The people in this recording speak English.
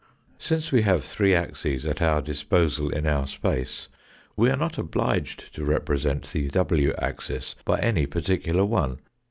Since we have three axes at our disposal in our space, we are not obliged to represent the w axis by any particular one.